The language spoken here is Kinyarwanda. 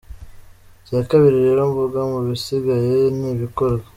Icya kabiri rero mvuga, mu bisigaye ni ibikorwa.